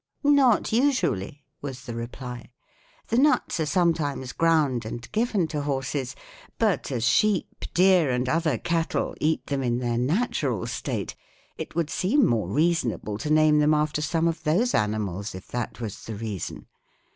"Not usually," was the reply. "The nuts are sometimes ground and given to horses, but, as sheep, deer and other cattle eat them in their natural state, it would seem more reasonable to name them after some of those animals, if that was the reason.